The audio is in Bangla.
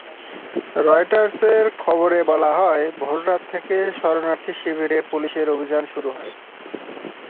রয়টার্সের খবরে বলা হয়, ভোররাত থেকে শরণার্থীশিবিরে পুলিশের অভিযান শুরু হয়।